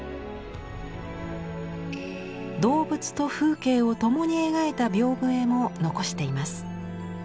動物と風景を共に描いた屏風絵も残しています。